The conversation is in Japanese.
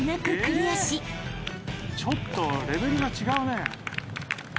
ちょっとレベルが違うね。